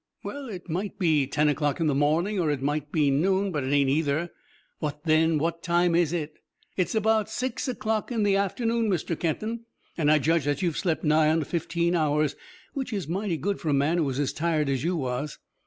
"Well it might be ten o'clock in the morning or it might be noon, but it ain't either." "Well, then, what time is it?" "It's about six o'clock in the afternoon, Mr. Kenton, and I judge that you've slept nigh on to fifteen hours, which is mighty good for a man who was as tired as you was."